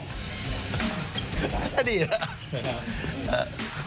ถ้าดีนะ